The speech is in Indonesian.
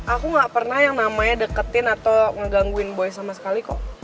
aku gak pernah yang namanya deketin atau ngegangguin boy sama sekali kok